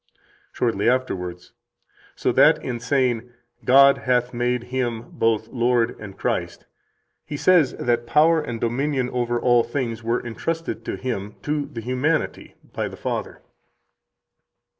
Shortly afterwards: "So that in saying, 'God hath made Him both Lord and Christ,' he says that power and dominion over all things were entrusted to Him [to the humanity] by the Father."